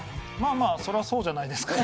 まあそれはそうじゃないですか。